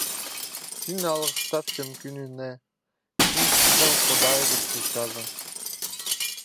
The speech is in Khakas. Сині алғыстапчам, Кӱн-ине, син пістің Худайыбыс полчазың.